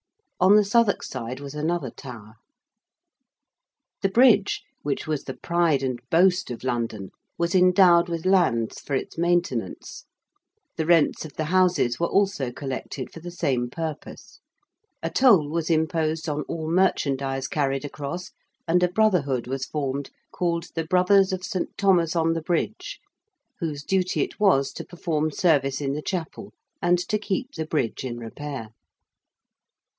On the Southwark side was another tower. The Bridge, which was the pride and boast of London, was endowed with lands for its maintenance: the rents of the houses were also collected for the same purpose: a toll was imposed on all merchandise carried across, and a Brotherhood was formed, called the Brothers of St. Thomas on the Bridge, whose duty it was to perform service in the chapel and to keep the Bridge in repair.